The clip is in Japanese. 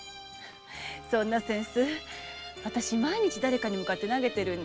そんな扇子私は毎日だれかに向かって投げてるんですよ。